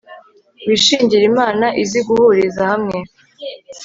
Wishingire Imana izi guhuriza hamwe